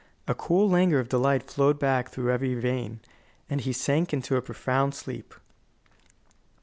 A cool languor of delight flowed back through every vein, and he sank into a profound sleep.